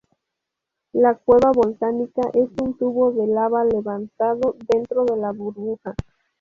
La cueva volcánica es un tubo de lava levantado dentro de la burbuja.